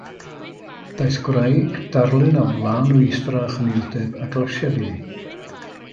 Daeth gwraig, darlun o lanweithdra a chynildeb, a glasiaid inni.